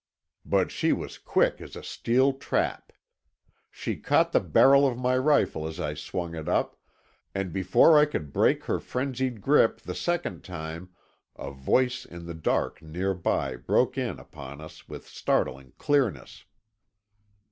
But she was quick as a steel trap. She caught the barrel of my rifle as I swung it up, and before I could break her frenzied grip the second time, a voice in the dark nearby broke in upon us with startling clearness.